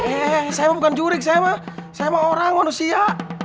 eh saya bukan jurik saya mah saya mah orang manusia